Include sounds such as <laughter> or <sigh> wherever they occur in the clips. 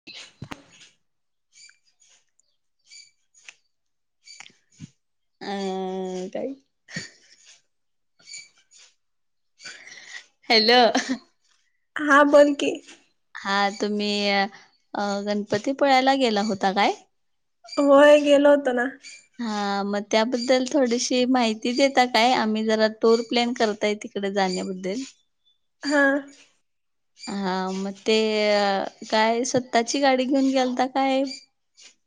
<unintelligible> अ काय <inaudible> हॅलो, हा बोल की. हा तुम्ही गणपतीपुळ्याला गेला होता काय? होय गेलो होतो ना. हा मग त्याबद्दल थोडीशी माहिती देता काय आम्ही जरा टूर प्लॅन करताय तिकडे जाण्याबद्दल. हा! हा मग ते काय स्वताची गाडी घेऊन गेलता काय?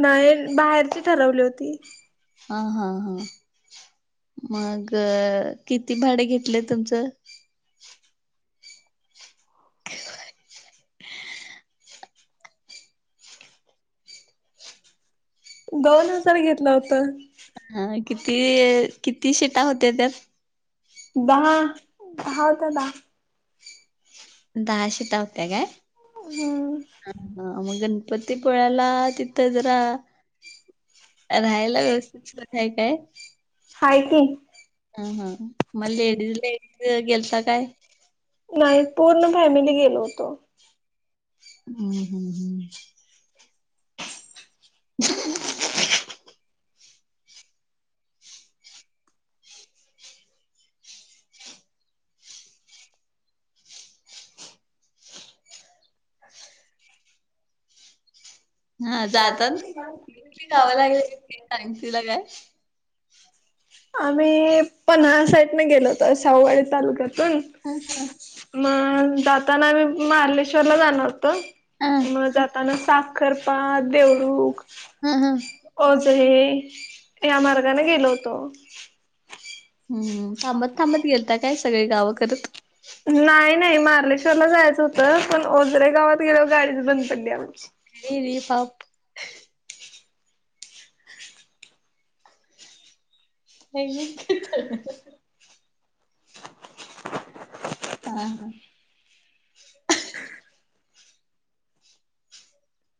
नाही बाहेरची ठरवली होती. हा हा हा, मग किती भाडे घेतले तुमचं? <unintelligible> दोन हजार घेतल होत. हा किती किती शिटा होत्या त्यात? दहा दहा होत्या दहा. दहा शीटा होत्या काय? हम्म हा हा मग गणपती पुण्याला तिथं जरा राहायला व्यवस्थितय सोय हाय हाय काय? की ह हा मग लेडीज जेंट्स गेलता काय? नाही, पूर्ण फॅमिली गेलो होतो हुं.. हुं हुं हा <unintelligible> तिला काय आम्ही पन्हाळा साईडने गेलो होतो.... शाहूवाडी तालुक्यातून हा हा मग जाताना आम्ही महालेश्वरला जाणार होतो, हा मग जाताना साखर <unintelligible> हा, हा. <unintelligible> त्या मार्गाने गेलो होतो हम्म थांबत थांबत गेलता काय सगळे गावं करत? नाई नाई, मारलेश्वरला जायचं होतं... पण ओझरे गावात गेल्यावर गाडीच बंद पडली आमची <unintelligible> <unintelligible> हा हा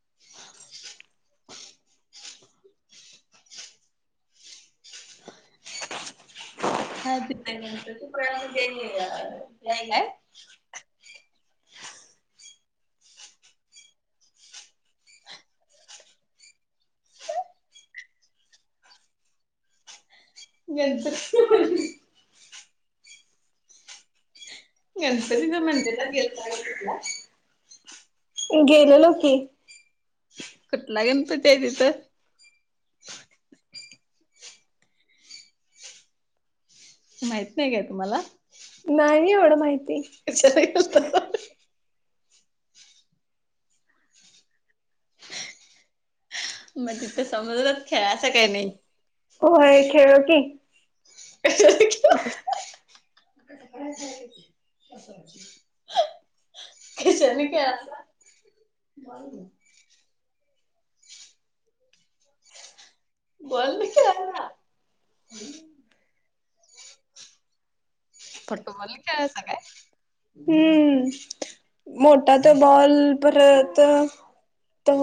<unintelligible> <inaudible> <unintelligible> हा तिथे ते, <unintelligible> नाही काय <inaudible> <unintelligible> <unintelligible> गणपतीच्या मंदिरात <unintelligible> गेलेलो की कुठला गणपती आहे तिथं माहित नाही काय तुम्हाला? नाही एवढं माहिती हो <unintelligible> मग तिथं समुद्रात खेळायचं काय नाही? <unintelligible> होय खेळलो की <unintelligible> <unintelligible> <inaudible> बंद कर फुटबॉल खेळायचा काय? हम्म मोठा तो बॉल परत तो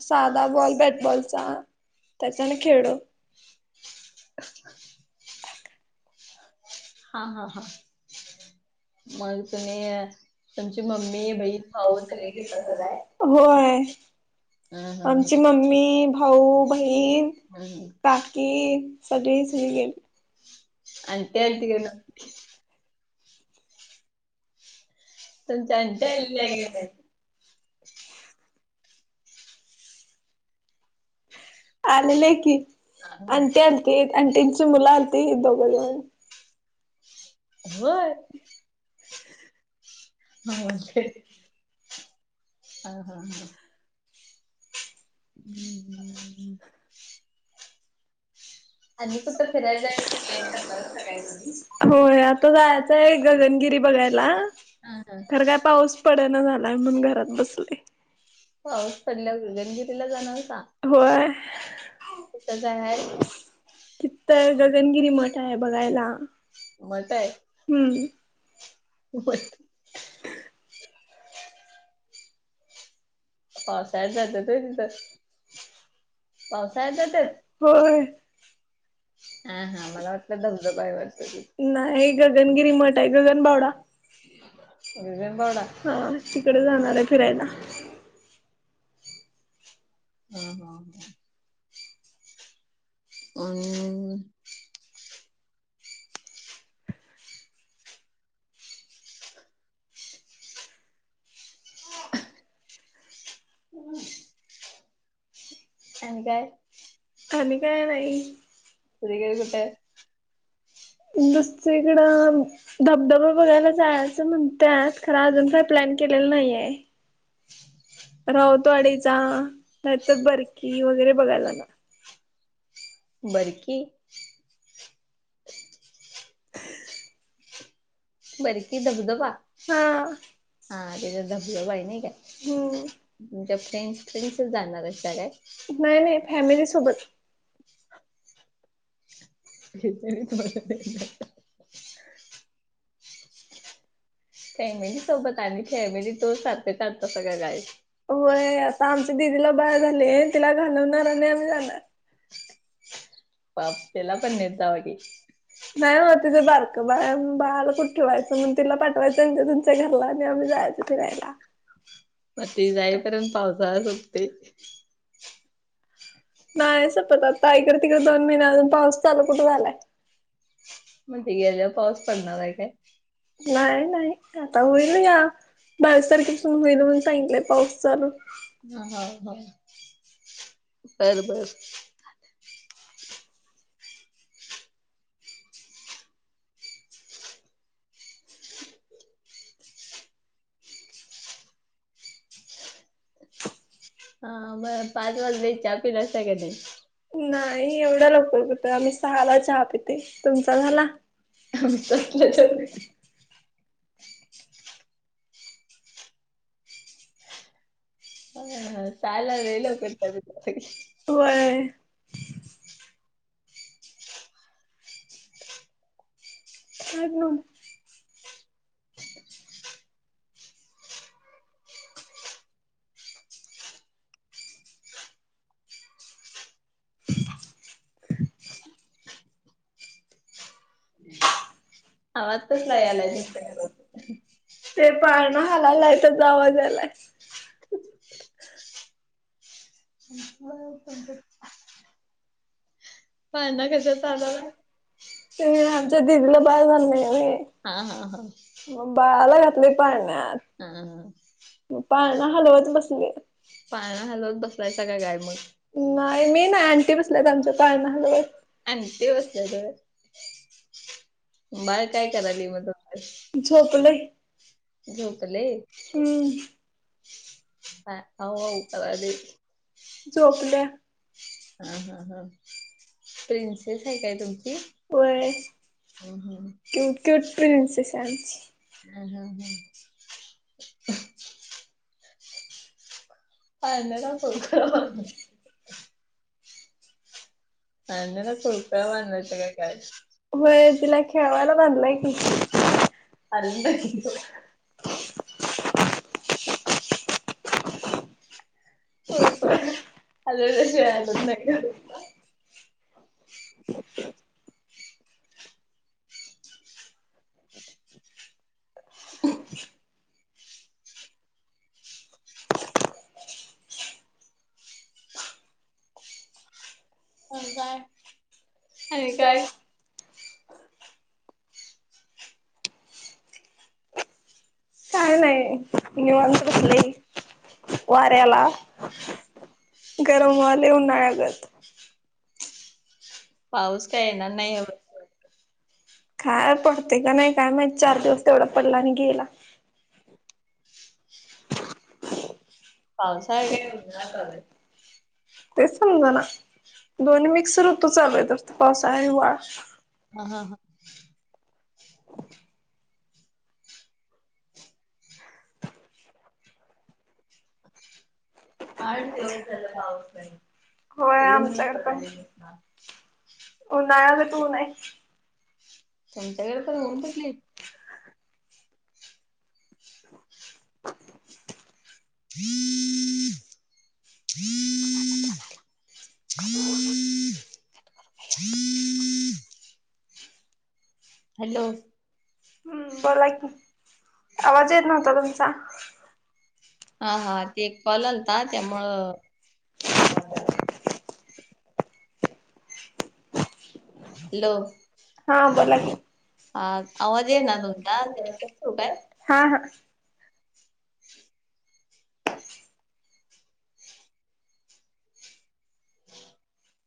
साधा बॉल... बॅटबॉलचा.. त्याच्याने खेडू <unintelligible> हा हा हा मग तुम्ही... तुमचे मम्मी, बहीण, भाऊ सगळे इथंच ए का? होय... आमची मम्मी, भाऊ बहीण हम्म बाकी सगळी सगळी आंटी आलती गेली <unintelligible> <unintelligible> <unintelligible> आलेली काय? <unintelligible> आलेले की.... अंटी आलती... अंटींची मुलं आलती.. दोघंजण होय <unintelligible> हा, हा, हा <inaudible> <unintelligible> कुठं फिरायला <unintelligible> होय... आता जायचंय, गगनगिरी बघायला... हा हा खरं काय पाऊस पडना झालाय... म्हणून घरात बसलोय पाऊस पडल्यावर गगनगिरीला जाणार का? होय हाय <unintelligible> गगनगिरी मोठा ए... बघायला मोठा ए हम्म <unintelligible> पावसाळ्यात जातात हो तिथं? पावसाळ्यात जात्यात होय हा हा... मला वाटलं धबधबा नाही ए <unintelligible> गगनगिरी मठ आहे... गगनबावडा गगनबावडा हा तिकड जाणारे फिरायला हा हा हा <unintelligible> <inaudible> आणि काय? आणि काय नाही. <unintelligible> सइकडं धबधबा बघायला जायाच म्हण त्यात खर अजून काही प्लॅन केलेला नाहीये. राऊतवाडीचा नाहीतर बरकी वगैरे बघायलाला बरकी <inaudible> बरकी धबधबा हा हा त्याजात धबधबाय नायी. हम्म तुमच्या फ्रेंडस फ्रेंड्सच जाणारेसा काय? फॅमिलीसोबत <unintelligible> फॅमिली सोबत आणि फॅमिली तो सातेत आनतासा का काय होय आता आमच्या दिदीला बाळ झालय तिला घालवणार आणि आम्ही जाणार पाप तेला पण न्हेत जावा की नाही ओ तिझ बारक बाळय म्हणू बाळाला कुठ ठिवायचं म्हन तिला पाठवायचं त्यांच्या त्यांचा च घरला आणि आम्ही जायाच फिरायला म ती जाईपर्यंत पावसाळ सपतोय. नाही सपत आता इकड तिकड दोन महिने अजून पाऊस चालू कुठं झालाय. म ती गेल्याव पाऊस पडणाराय काय? नाही नाही आता होईल या बावीस तारखे हुईल म्हणून सांगितलंय पाऊस चालू हा हा ह बर बर हा बर पाच वाजले चहा पिलासा का नाही. लवकर कुट आम्ही सहाला चहा पितोय तुमचा झाला आम्ही तसलं <unintelligible> अहह सहाला आलोय लवकर तर सगळी होय. काड नोन आवाज कसला यायलाय तुमचा घरात ते पाळणा हलालाय त्याचा आवाजा यालाय <inaudible> <unintelligible> पाळणा कशात हलवला? <unintelligible> ते आमच्या दिदीला बाळ झालेल नाहिये होय. हा हा हा घातलय <unintelligible> हा हा पळना हलवत बसलिया पाळना हलवत बसलायसा का काय मग? नाही मी नाही आंटी बसल्यात आमच्या पाळणा हलवत आंटी बसल्यात होय. बाळ काय करालय म तुमच झो झोपलय झोपलय हम्म अ आऊ आऊ करालय झोपल्या झोपल हा हा हा प्रिन्स तेच हाय काय तुमची होय व्हय हम्म हम्म <unintelligible> प्रिंसेस चान्स हम् हम् हम् <unintelligible> आण्याला चोप्या बांधल्यासा का काय? व्हय तिला खेळवायला बांधलंय की अंद कित. सुप अ नाही. अच्छा! <inaudible> <inaudible> अ काय आणि काय. काय नाही आहे इे व पले वाऱ्याला गरम वाले उन्हाळगत पाऊस का येणार नाही ह काय पडते का नाही काय माहि चार दिवस तेवढा पडला आणि गेला. पावसाळा काय? ते समजा ना दोन् मिक्स रूप तू चाल तर पासा आहे. हा हां हां. <inaudible> <inaudible> आठ होय दिवस ऊन आमच्याकड का हो नाग तू नाहीय संंत्यागड प होऊन बली <inaudible> थ्री थ्री. हम् हम्. हम् बोला कि आवाज येत नव्हता तुमचा.. हा हा ते एक पलनता त्यामुळं लो हा बोला की. आवाज ये ना तुमचाू काय हा हा <inaudible> <inaudible>